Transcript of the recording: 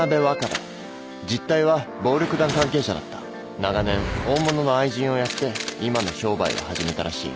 長年大物の愛人をやって今の商売を始めたらしい。